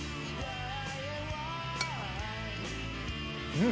うん。